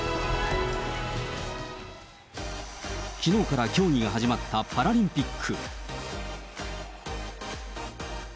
きのうから競技が始まったパラリンピック。